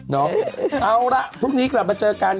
เอาละพรุ่งนี้กลับมาเจอกัน